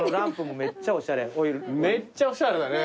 めっちゃおしゃれだね。